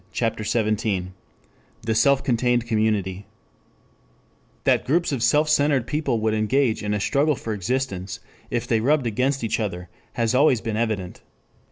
CHAPTER XVII THE SELF CONTAINED COMMUNITY 1 THAT groups of self centered people would engage in a struggle for existence if they rubbed against each other has always been evident.